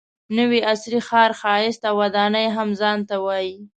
نوي عصري ښار ښایست او ودانۍ هم ځان ته وایي.